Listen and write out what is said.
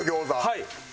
はい。